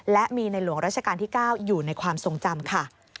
และมีในหลวงราชการที่๙อยู่ในความทรงจำค่ะ